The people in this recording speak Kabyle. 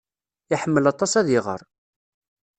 Iḥemmel aṭas ad iɣer.